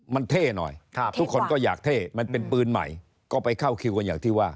มันเท่หน่อยทุกคนก็อยากเท่มันเป็นปืนใหม่ก็ไปเข้าคิวกันอย่างที่ว่า